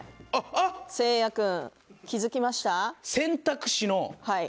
せいや君、気付きました？